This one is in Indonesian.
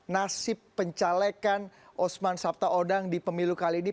nasib pencalekan osman sabta odang di pemilu kali ini